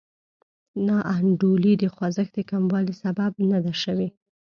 ناانډولي د خوځښت د کموالي سبب نه ده شوې.